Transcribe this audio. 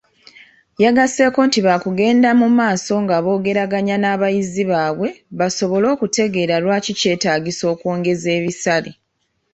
Yagaseeko nti baakugenda mu maaso nga boogeraganya n'abayizi baabwe basobole okutegeera lwaki kyetaagisa okwongeza ebisale.